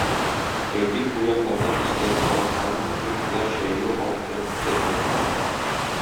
Әйтик, бу якларда тискәре карашларның киң колач җәюе арттырып күрсәтелә.